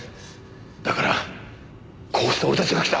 だからこうして俺たちが来た！